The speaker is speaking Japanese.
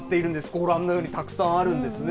ご覧のようにたくさんあるんですね。